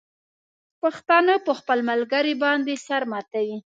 پښتانه په خپل ملګري باندې سر ماتوي.